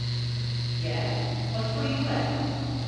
Ie, ond pwy yw e?